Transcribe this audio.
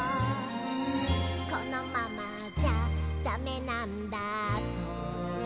「このままじゃダメなんだと」